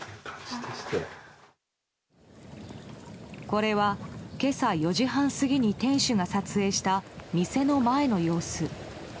これは今朝４時半過ぎに店主が撮影した店の前の様子。